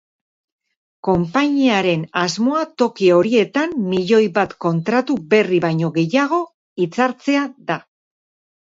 Konpainiaren asmoa toki horietan milioi bat kontratu berri baino gehiago hitzartzea da.